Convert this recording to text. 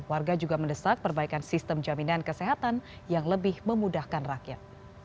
warga juga mendesak perbaikan sistem jaminan kesehatan yang lebih memudahkan rakyat